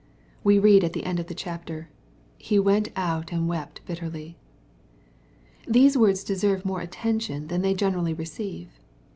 We read at the end of the chapter, " He went out and wept bitterly." These words deserve more attention than they gene rally receive.